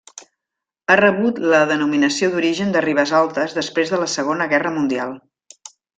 Ha rebut la denominació d'origen de Ribesaltes després de la Segona Guerra Mundial.